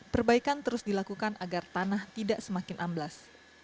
perbaikan terus dilakukan agar tanah tidak semakin amblas